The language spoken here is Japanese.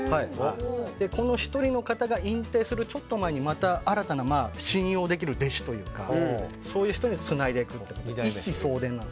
この１人の方が引退するちょっと前にまた新たな信用できる弟子というかそういう人につないでいくみたいな。